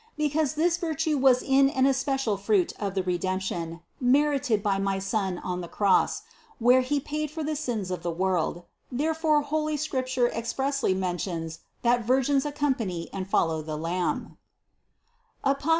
Because this virtue was in an especial fruit of the Redemption, merited by my Son on the Cross, where He paid for the sins of the world, there fore holy Scripture expressly mentions that virgins ac company and follow the Lamb (Apoc.